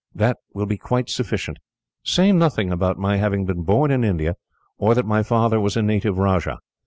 That will be quite sufficient. Say nothing about my having been born in India, or that my father was a native rajah.